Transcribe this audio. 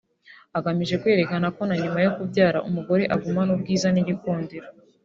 agamije kwerekana ko na nyuma yo kubyara umugore agumana ubwiza n’igikundiro